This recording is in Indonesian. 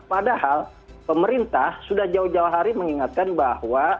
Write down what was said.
padahal pemerintah sudah jauh jauh hari mengingatkan bahwa